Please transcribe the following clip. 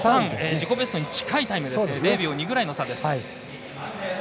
自己ベストに近い０秒２ぐらいの差です。